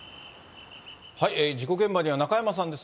事故現場には、中山さんです。